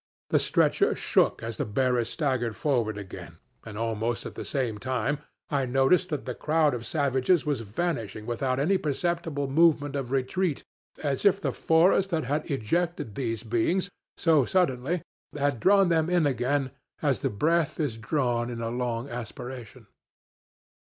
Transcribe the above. The stretcher shook as the bearers staggered forward again, and almost at the same time I noticed that the crowd of savages was vanishing without any perceptible movement of retreat, as if the forest that had ejected these beings so suddenly had drawn them in again as the breath is drawn in a long aspiration.